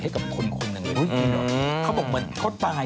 เหตุการณ์จะเป็นยังไง